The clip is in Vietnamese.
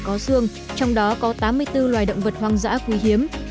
có xương trong đó có tám mươi bốn loài động vật hoang dã quý hiếm